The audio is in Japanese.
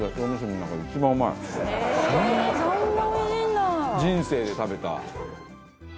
人生で食べた。